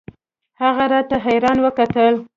هغه راته حيران وکتل.